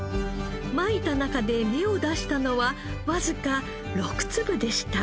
まいた中で芽を出したのはわずか６粒でした。